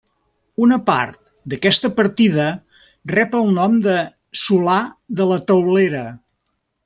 Una part d'aquesta partida rep el nom de Solà de la Teulera.